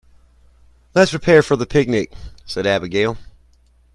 "Let's prepare for the picnic!", said Abigail.